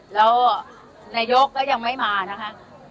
แล้วนายกก็ยังไม่มานะคะ